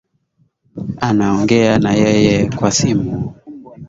Anaongea na yeye kwa simu